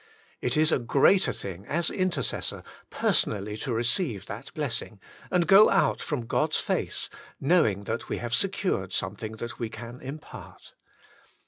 It is a greater thing as intercessor personally to receive that blessing, and go out from God's face, know ing that we have secured something that we can impart.